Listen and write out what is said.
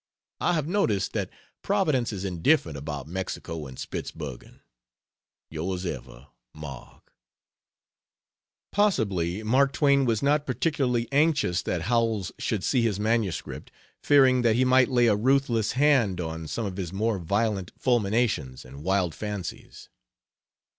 I have noticed that Providence is indifferent about Mexico and Spitzbergen. Ys Ever MARK. Possibly Mark Twain was not particularly anxious that Howells should see his MS., fearing that he might lay a ruthless hand on some of his more violent fulminations and wild fancies.